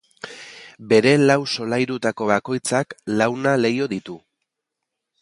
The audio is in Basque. Bere lau solairutako bakoitzak launa leiho ditu.